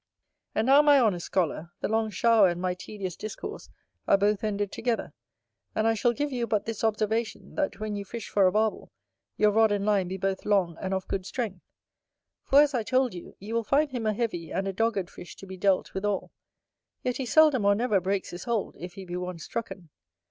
And now my honest scholar, the long shower and my tedious discourse are both ended together: and I shall give you but this observation, that when you fish for a Barbel, your rod and line be both long and of good strength; for, as I told you, you will find him a heavy and a dogged fish to be dealt withal; yet he seldom or never breaks his hold, if he be once strucken.